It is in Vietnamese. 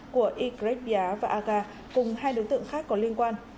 của y greg bia và aga cùng hai đối tượng khác có liên quan